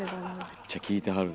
めっちゃ聴いてはる。